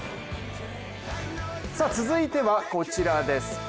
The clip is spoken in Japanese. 続いてはこちらです。